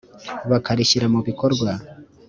bakarishyira mu bikorwa